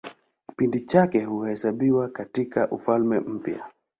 Kipindi chake huhesabiwa katIka Ufalme Mpya.